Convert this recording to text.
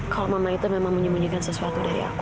kalau mama itu memang menyembunyikan sesuatu dari apa